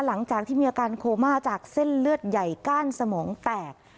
หลังจากที่มีอาการโคม่าจากเส้นเลือดใหญ่ก้านสมองแตก